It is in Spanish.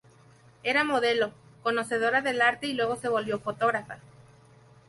Era modelo, conocedora del arte y luego se volvió fotógrafa.